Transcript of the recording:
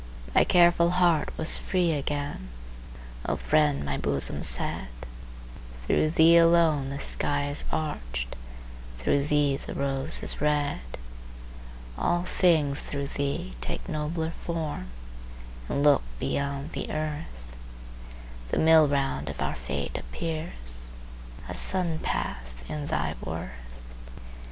My careful heart was free again,— O friend, my bosom said, Through thee alone the sky is arched, Through thee the rose is red, All things through thee take nobler form And look beyond the earth, The mill round of our fate appears A sun path in thy worth.